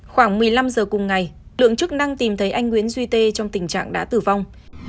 khoảng một mươi năm giờ cùng ngày lượng chức năng tìm thấy anh nguyễn duy tê trong tình trạng đã tử vong